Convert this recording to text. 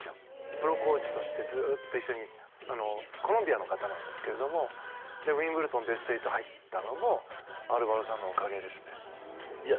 プロコーチとしてずっと一緒にコロンビアの方なんですけれどもでウィンブルドンベスト８入ったのもアルバロさんのおかげですねいや